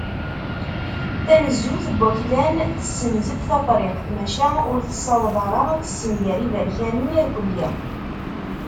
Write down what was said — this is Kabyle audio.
Tanezzut n waklan tessenzef Tafriqt, maca ur tessaweḍ ara ad tessenger Iberkanen irkelli.